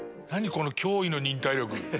この驚異の忍耐力。